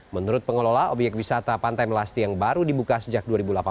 menurut pengelola obyek wisata pantai melasti yang baru dibuka sejak dua ribu delapan belas